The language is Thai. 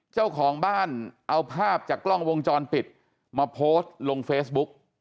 เจ้าของบ้านเอาภาพจากกล้องวงจรปิดมาโพสต์ลงเฟซบุ๊ก